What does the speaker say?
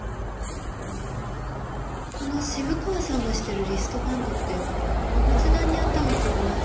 この渋川さんがしてるリストバンドってお仏壇にあったのと同じ。